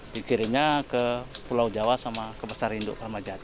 dikirimnya ke pulau jawa sama ke pasar induk ramadjati